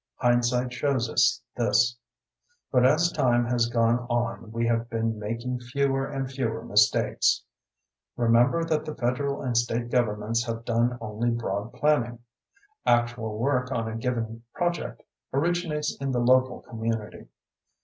Hindsight shows us this. But as time has gone on we have been making fewer and fewer mistakes. Remember that the federal and state governments have done only broad planning. Actual work on a given project originates in the local community.